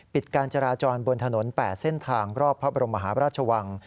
ปิดการจะราจรบนถนน๘เส้นทางรอบพระบรมหารัชวัง